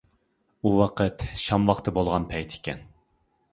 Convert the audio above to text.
ئۇ ۋاقىت شام ۋاقتى بولغان پەيت ئىكەن.